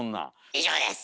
以上です。